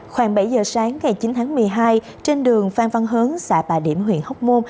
khoảng bảy giờ sáng ngày chín tháng một mươi hai trên đường phan văn hớn xã bà điểm huyện hóc môn